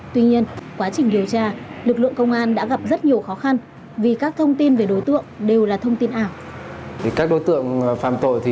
tuy nhiên quá trình điều tra lực lượng công an đã gặp rất nhiều khó khăn vì các thông tin về đối tượng đều là thông tin ảo